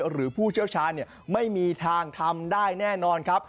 หรือผู้เชไม่มีทางทำได้แน่นอนครับ